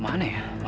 eh anak mu